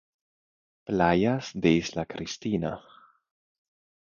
Playas de Isla Cristina